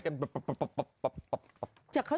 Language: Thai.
มีหา